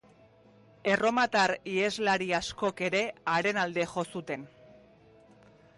Erromatar iheslari askok ere haren alde jo zuten.